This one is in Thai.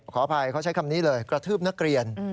ขออภัยเขาใช้คำนี้เลยกระทืบนักเรียน